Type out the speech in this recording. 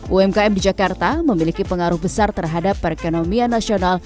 umkm di jakarta memiliki pengaruh besar terhadap perekonomian nasional